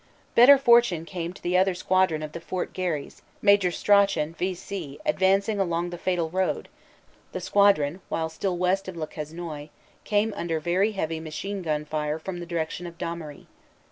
Better fortune came to the other squadron of the Fort Garry s, Major Strachan, V.C. Advancing along the fatal road, the squadron while still west of Le Quesnoy came under very heavy machine gun fire from the direction of Damery.